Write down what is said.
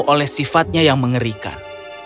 dia menanggungmu oleh sifatnya yang mengerikan